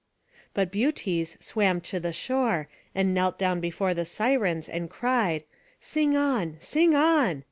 But Butes swam to the shore, and knelt down before the Sirens, and cried, "Sing on! sing on!"